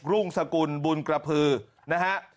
รุ่งสกุลบุญกระพือนะฮะ